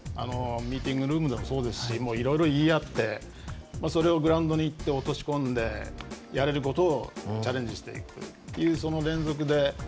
ミーティングルームでもいろいろ言い合ってそれをグラウンドに行って落とし込んでやれることをチャレンジしていくという連続で。